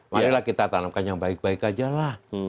marilah kita tanamkan yang baik baik aja lah